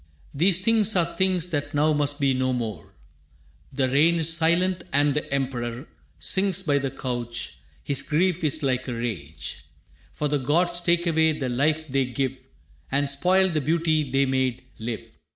These things are things that now must be no more. The rain is silent, and the Emperor Sinks by the couch. His grief is like a rage, For the gods take away the life they give And spoil the beauty they made live.